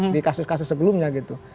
di kasus kasus sebelumnya gitu